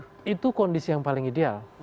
nah itu kondisi yang paling ideal